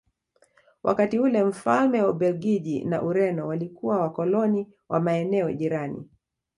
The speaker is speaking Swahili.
Wakati ule mfalme wa Ubelgiji na Ureno walikuwa wakoloni wa maeneo jirani